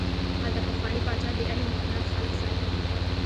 هلته پخواني پاچا د علم او هنر خلک ساتل.